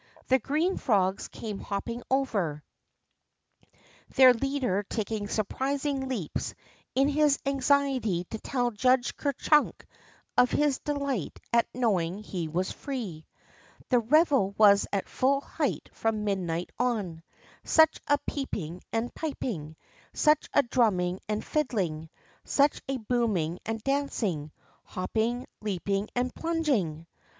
The green frogs came hopping over, their leader taking surprising leaps in his anxiety to tell Judge Ker Chunk of his delight at knowing he was free. The revel was at full height from midnight on. Such a peeping and a piping, such a drumming and a Addling, such a booming and a dancing, hop ping, leaping, and plunging!